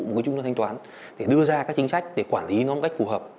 một cái trung gian thanh toán để đưa ra các chính sách để quản lý nó một cách phù hợp